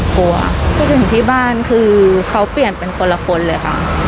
พูดถึงที่บ้านคือเขาเปลี่ยนเป็นคนละคนเลยค่ะ